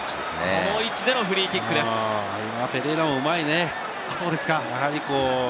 この位置でのフリーキックです。